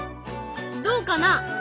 どうかな？